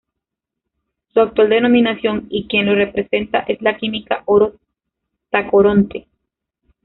Su actual denominación y quien lo representa es el Química Oro Tacoronte.